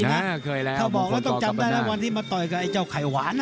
จะบอกแล้วต้องจำได้วันที่มาตอยกับไขวาน